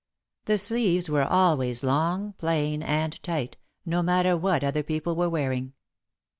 The sleeves were always long, plain, and tight, no matter what other people were wearing.